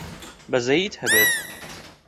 بەزەییت هەبێت!